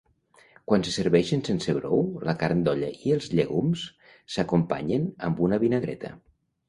Quan se serveixen sense brou, la carn d'olla i els llegums s'acompanyen amb una vinagreta.